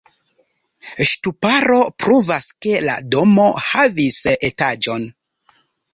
Ŝtuparo pruvas, ke la domo havis etaĝon.